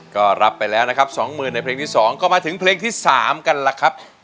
ก็รับไปแล้วนะครับสองหมื่นในเพลงที่สองก็มาถึงเพลงที่สามกันล่ะครับ